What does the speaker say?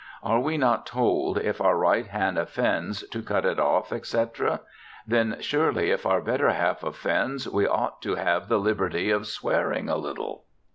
Are we not told, if our right hand offends to cut it off, etc. ; then surely if our better half offends we ought to have the liberty of swearing a little.'